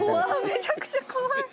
めちゃくちゃ怖い！